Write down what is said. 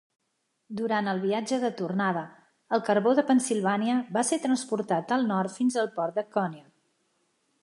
Durant el viatge de tornada, el carbó de Pennsilvània va ser transportat al nord fins al port de Conneaut.